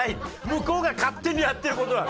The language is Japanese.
向こうが勝手にやってる事なの！